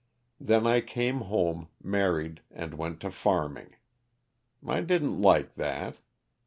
Then I came home, mar ried, and went to farming. I didn't like that.